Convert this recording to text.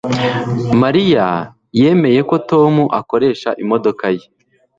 Mariya yemeye ko Tom akoresha imodoka ye